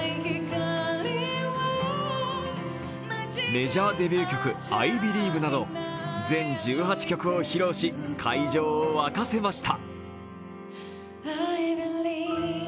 メジャーデビュー曲「Ｉｂｅｌｉｖｅ」など全１８曲を披露し会場を沸かせました。